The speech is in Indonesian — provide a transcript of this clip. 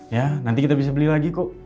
ya nanti kita bisa beli lagi kok